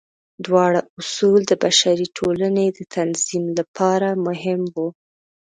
دواړه اصول د بشري ټولنې د تنظیم لپاره مهم وو.